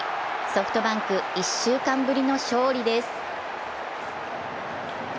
ソフトバンク、１週間ぶりの勝利です。